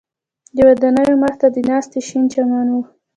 د ودانیو مخ ته د ناستي شین چمن و.